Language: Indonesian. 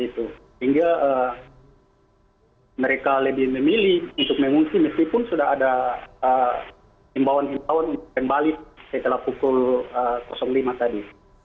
sehingga mereka lebih memilih untuk mengungsi meskipun sudah ada imbauan imbauan yang balik setelah pukul lima tadi